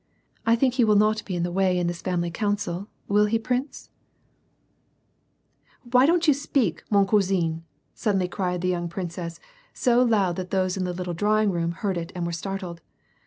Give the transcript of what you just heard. I think he will not be in the way in this family council, will he prince ?"" Why don't you speak, inon coiisin,^^ suddenly cried the young princess, so loud that those in the little drawing room heard it and were startled.